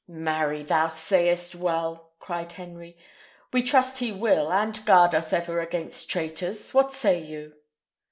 "Marry, thou sayest well!" cried Henry. "We trust he will, and guard us ever against traitors! What say you?"